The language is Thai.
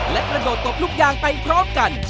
และกระโดดตบลูกยางไปพร้อมกัน